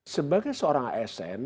sebagai seorang asn